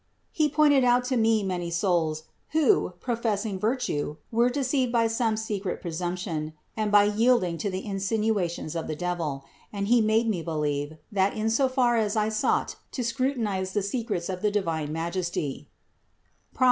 4. He pointed out to me many souls, who, professing virtue, were deceived by some secret presumption and by yielding to the insinuations of the devil ; and he made me believe, that in so far as I sought to scrutinize the secrets of the divine Majesty (Prov.